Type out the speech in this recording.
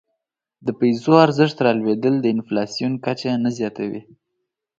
د پیسو ارزښت رالوېدل د انفلاسیون کچه نه زیاتوي.